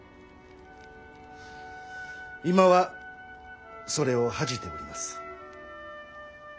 今はそれを恥じております。